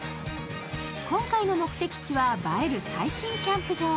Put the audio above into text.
今回の目的地は映える最新キャンプ場。